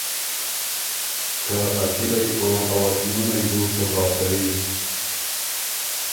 که ا کِلئ او ا وطنُونئ بُو تباه کوی۔